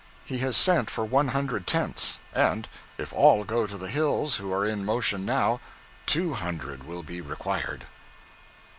He has sent for one hundred tents, and, if all go to the hills who are in motion now, two hundred will be required.